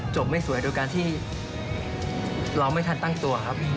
ไม่สวยโดยการที่เราไม่ทันตั้งตัวครับ